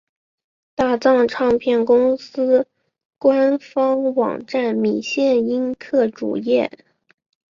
大藏唱片公司官方网站米线音客主页